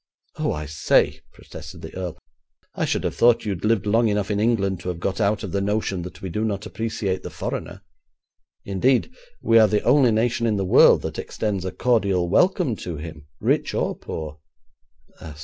'Oh, I say,' protested the earl, 'I should have thought you'd lived long enough in England to have got out of the notion that we do not appreciate the foreigner. Indeed, we are the only nation in the world that extends a cordial welcome to him, rich or poor.'